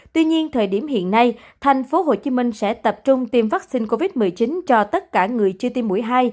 tuy nhiên thời điểm hiện nay tp hcm sẽ tập trung tiêm vaccine covid một mươi chín cho tất cả người chưa tiêm mũi hai